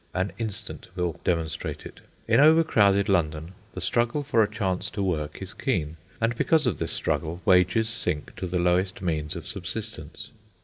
An instant will demonstrate it. In overcrowded London, the struggle for a chance to work is keen, and because of this struggle wages sink to the lowest means of subsistence.